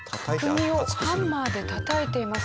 釘をハンマーでたたいています。